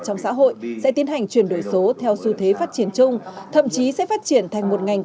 trong xã hội sẽ tiến hành chuyển đổi số theo xu thế phát triển chung thậm chí sẽ phát triển thành một ngành